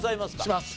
します。